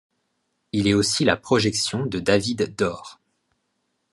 Il est aussi la projection de David d'Or.